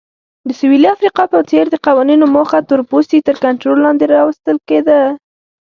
د سویلي افریقا په څېر د قوانینو موخه تورپوستي تر کنټرول لاندې راوستل وو.